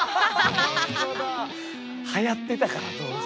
はやってたから当時。